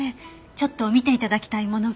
ちょっと見て頂きたいものが。